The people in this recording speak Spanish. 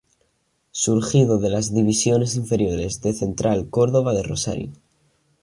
Surgido de las divisiones inferiores de Central Córdoba de Rosario.